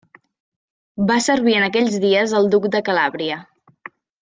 Va servir en aquells dies al Duc de Calàbria.